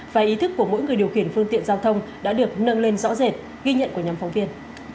và ý thức của mỗi người điều khiển phương tiện giao thông đã được nâng lên rõ rệt ghi nhận của nhóm phóng viên